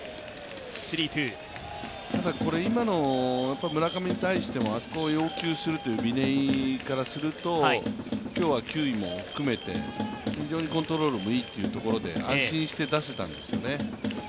ただこれ、今の村上に対してもあそこを要求する嶺井からすると、今日は球威も含めて非常にコントロールもいいということで安心して出せたんですよね。